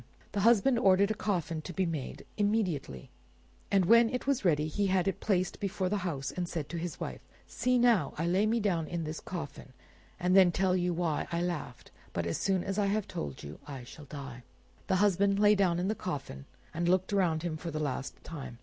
The husband ordered a coffin to be made immediately, and when it was ready he had it placed before the house, and said to his wife— "See now, I now lay me down in this coffin, and then tell you why I laughed; but as soon as I have told you I shall die." The husband lay down in the coffin, and looked around him for the last time.